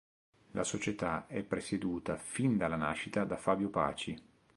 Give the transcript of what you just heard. La società è presieduta fin dalla nascita da Fabio Paci.